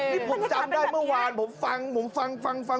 นี่ผมจำได้เมื่อวานผมฟังผมฟังฟังฟัง